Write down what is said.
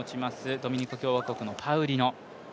ドミニカ共和国のパウリノ。